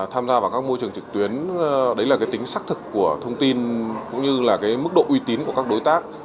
tham gia vào các môi trường trực tuyến đấy là cái tính xác thực của thông tin cũng như là cái mức độ uy tín của các đối tác